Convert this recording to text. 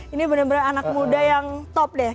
ini benar benar anak muda yang top deh